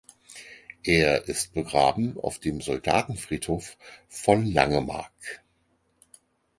Er ist begraben auf dem Soldatenfriedhof von Langemark.